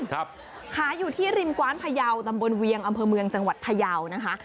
ขายอยู่ที่ริมกว้านพยาวตำบลเวียงอำเภอเมืองจังหวัดพยาวนะคะ